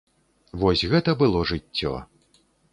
Вось гэта было жыццё!